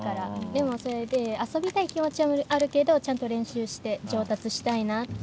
でもそれで遊びたい気持ちはあるけどちゃんと練習して上達したいなって。